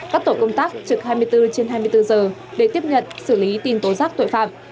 các tổ công tác trực hai mươi bốn trên hai mươi bốn giờ để tiếp nhận xử lý tin tố giác tội phạm